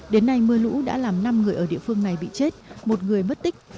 đến nay mưa lũ đã làm năm người ở địa phương này bị chết một người mất tích